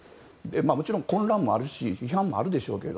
もちろん混乱もあるし批判もあるでしょうけど。